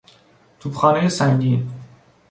توپخانهی سنگین